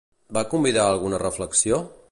Va convidar a alguna reflexió?